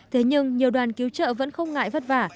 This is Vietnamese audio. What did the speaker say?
thế nhưng nhiều đoàn cứu trợ vẫn không ngại vất vả